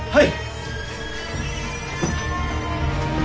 はい。